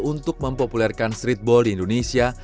untuk mempopulerkan streetball di indonesia